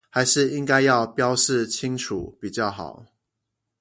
還是應該要標示清楚比較好